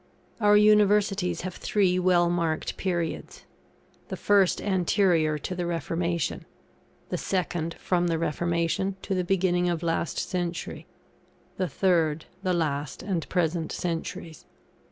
Our Universities have three well marked periods; the first anterior to the Reformation; the second from the Reformation to the beginning of last century; the third, the last and present centuries.